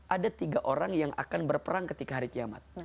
ada tiga orang yang akan berperang ketika hari kiamat